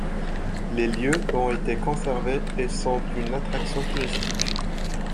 Les lieux ont été conservés et sont une attraction touristiques.